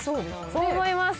そう思います。